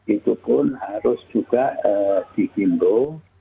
itu pun harus juga dihimbau